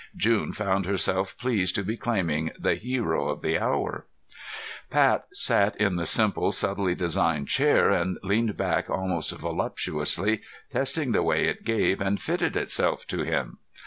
June found herself pleased to be claiming the hero of the hour. Pat sat in the simple, subtly designed chair and leaned back almost voluptuously, testing the way it gave and fitted itself to him.